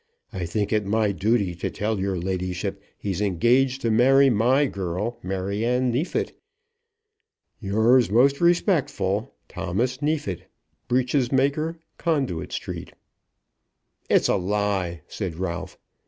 I think it my duty to tell your ladyship he's engaged to marry my girl, Maryanne Neefit. Yours most respectful, THOMAS NEEFIT, Breeches Maker, Conduit Street. "It's a lie," said Ralph.